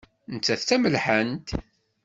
Nettat d tamelḥant.